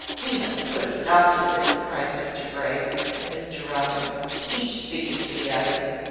"We must put a stop to this," cried Mr Grey and Mr Rowland, each speaking to the other.